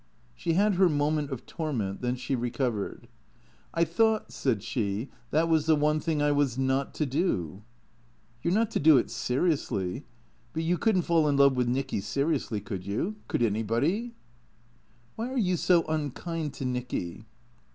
She had her moment of torment; then she recovered. " I thought," said she, " that was the one thing I was not to do." " You 're not to do it seriously. But you could n't fall in love with Nicky seriously. Could you ? Could anybody ?"" Wliy are you so unkind to Nicky